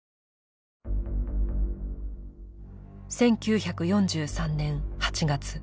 １９４３年８月。